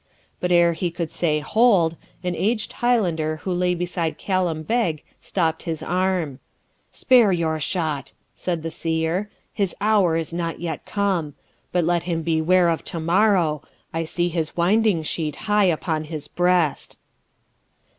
But ere he could say 'Hold!' an aged Highlander who lay beside Callum Beg stopped his arm. 'Spare your shot,' said the seer, 'his hour is not yet come. But let him beware of to morrow; I see his winding sheet high upon his breast.'